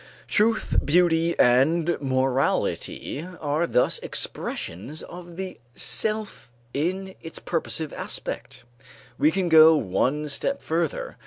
Truth, beauty, and morality are thus expressions of the self in its purposive aspect. We can go one step further.